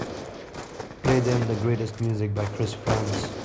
Play them the greatest music by Chris Frantz.